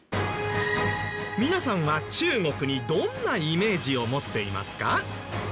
皆さんは中国にどんなイメージを持っていますか？